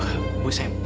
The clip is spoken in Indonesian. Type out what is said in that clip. cepat bawa dia keluar